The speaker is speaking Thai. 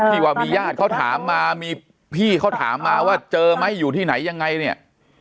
ว่ามีญาติเขาถามมามีพี่เขาถามมาว่าเจอไหมอยู่ที่ไหนยังไงเนี่ย